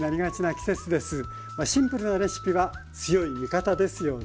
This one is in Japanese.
シンプルなレシピは強い味方ですよね。